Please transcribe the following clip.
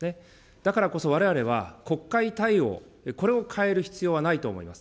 だからこそわれわれは、国会対応、これを変える必要はないと思います。